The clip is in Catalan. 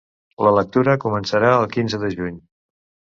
La lectura començarà el quinze de juny.